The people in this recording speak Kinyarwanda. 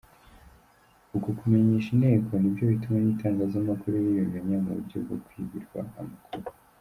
Uko kumenyesha inteko nibyo bituma n’itangazamakuru ribimenya mu buryo bwo kwibirwa amakuru.